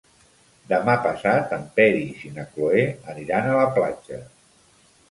Demà passat en Peris i na Cloè aniran a la platja.